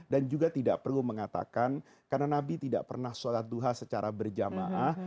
dan juga tidak perlu mengatakan karena nabi tidak pernah sholat duha secara berjamaah